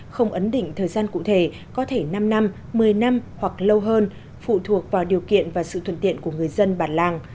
không ấn định thời gian cụ thể có thể năm năm một mươi năm hoặc lâu hơn phụ thuộc vào điều kiện và sự thuận tiện của người dân bản làng